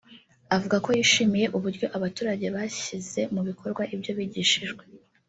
avuga ko yishimiye uburyo abaturage bashyize mu bikorwa ibyo bigishijwe